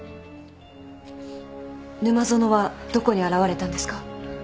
沼園はどこに現れたんですか？